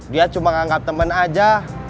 dia cuma angkat temen aja